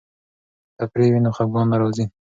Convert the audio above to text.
که تفریح وي نو خفګان نه راځي.